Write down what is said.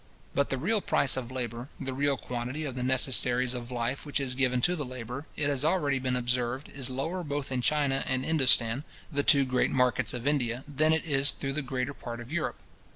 But the real price of labour, the real quantity of the necessaries of life which is given to the labourer, it has already been observed, is lower both in China and Indostan, the two great markets of India, than it is through the greater part of Europe.